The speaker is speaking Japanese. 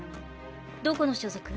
どこの所属？